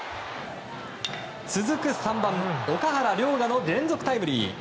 続く３番、岳原陵河の連続タイムリー。